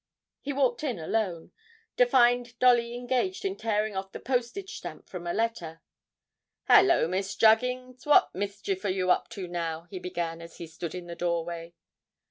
He walked in alone, to find Dolly engaged in tearing off the postage stamp from a letter. 'Hallo, Miss Juggins, what mischief are you up to now?' he began, as he stood in the doorway.